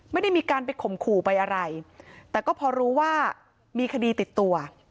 ไม่ได้มีการไปข่มขู่ไปอะไรแต่ก็พอรู้ว่ามีคดีติดตัว